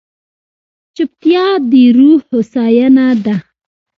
چپتیا، د روح هوساینه ده.